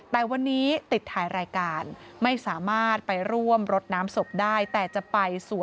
แต่วันนี้ติดถ่ายรายการไม่สามารถไปร่วมรดน้ำศพได้